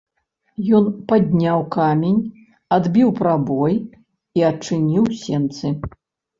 Ён падняў камень, адбіў прабой і адчыніў сенцы.